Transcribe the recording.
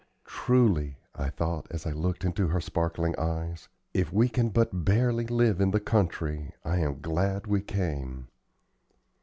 "Truly," I thought, as I looked into her sparkling eyes, "if we can but barely live in the country, I am glad we came."